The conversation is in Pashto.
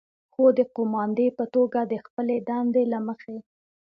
خو د قوماندانې په توګه د خپلې دندې له مخې،